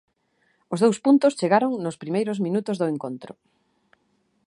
Os dous puntos chegaron nos primeiros minutos do encontro.